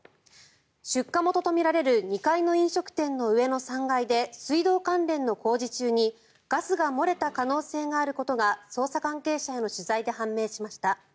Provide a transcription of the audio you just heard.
出火元とみられる２階の飲食店の上の３階で水道関連の工事中にガスが漏れた可能性があることが捜査関係者への取材で判明しました。